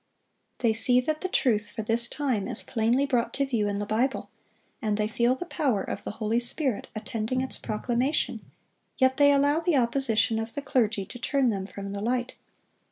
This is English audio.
They see that the truth for this time is plainly brought to view in the Bible, and they feel the power of the Holy Spirit attending its proclamation; yet they allow the opposition of the clergy to turn them from the light.